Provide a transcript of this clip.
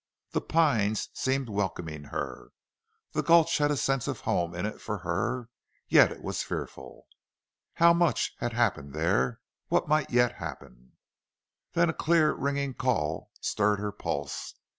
The pines seemed welcoming her. The gulch had a sense of home in it for her, yet it was fearful. How much had happened there! What might yet happen! Then a clear, ringing call stirred her pulse.